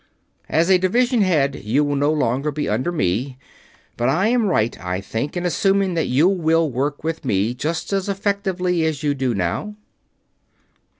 As a Division Head, you will no longer be under me, but I am right, I think, in assuming that you will work with me just as efficiently as you do now?"